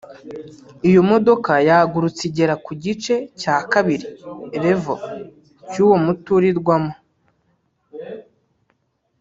Iyo modoka yagurutse igera kugice cya kabiri (level) cy’uwo muturirwa mo